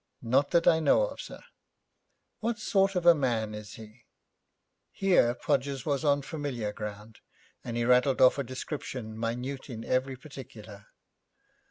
'Not that I know of, sir.' 'What sort of a man is he?' Here Podgers was on familiar ground, and he rattled off a description minute in every particular.